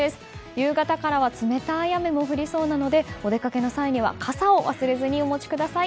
夕方からは冷たい雨も降りそうなのでお出かけの際には傘を忘れずにお持ちください。